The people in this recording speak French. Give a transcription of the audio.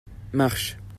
marche.